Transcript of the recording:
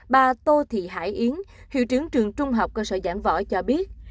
bà tô thị hải yến hiệu trưởng trường trung học cơ sở giảng võ cho biết